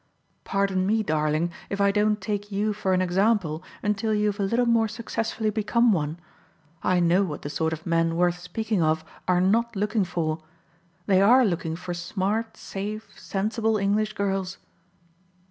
Pardon me, darling, if I don't take you for an example until you've a little more successfully become one. I know what the sort of men worth speaking of are not looking for. They ARE looking for smart safe sensible English girls."